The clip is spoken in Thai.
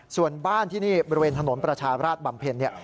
ส่วนบ้านที่นี่บริเวณถนนประชาราชบำเพ็ญเนี่ย